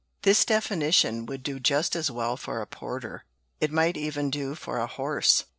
This definition would do just as well for a porter. It might even do for a horse.